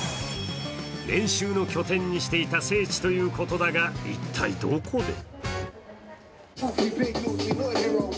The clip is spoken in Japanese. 練習の拠点にしていた聖地ということだが、一体どこで？